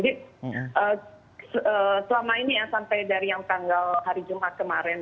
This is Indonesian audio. jadi selama ini ya sampai dari yang tanggal hari jumat kemarin